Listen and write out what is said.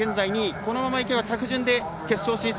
このままいくと着順で決勝進出。